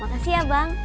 makasih ya bang